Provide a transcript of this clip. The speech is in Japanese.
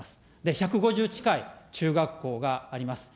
１５０近い中学校があります。